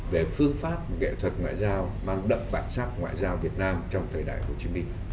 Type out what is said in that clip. về phương pháp nghệ thuật ngoại giao mang đậm bản sắc ngoại giao việt nam trong thời đại hồ chí minh